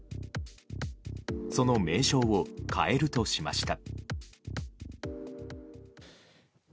その名称を変えるとしました。